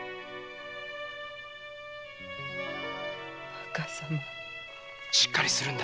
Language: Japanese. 若様しっかりするんだ。